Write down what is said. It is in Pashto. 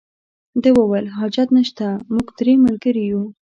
ده وویل حاجت نشته موږ درې ملګري یو.